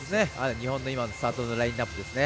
日本のスターティングラインアップですね。